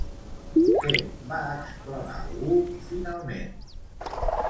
Què va exclamar algú finalment?